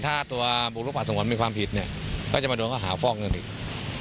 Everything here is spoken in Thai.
ถ้าบุตรปราสงวรมีความผิดก็จะมาดูแลเจ้าหาฟอกเงินอีก